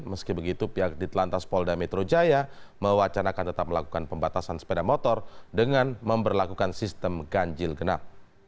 meski begitu pihak di telantas polda metro jaya mewacanakan tetap melakukan pembatasan sepeda motor dengan memperlakukan sistem ganjil genap